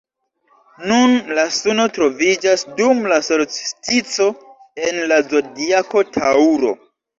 Nun la suno troviĝas dum la solstico en la zodiako Taŭro.